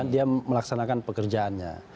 dia melaksanakan pekerjaannya